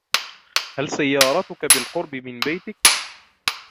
هل سيارتك بالقرب من بيتك؟